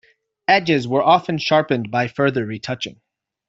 Edges were often sharpened by further retouching.